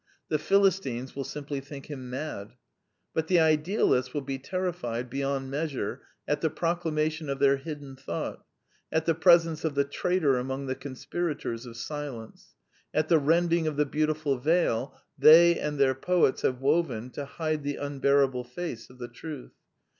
The Philistines will simply think him mad. But the idealists will be terrified be yond measure at the proclamation of their hidden thought — at the presence of the traitor among the conspirators of silence — at the rending of the beautiful veil they and their poets have woven to hide the unbearable face of the truth.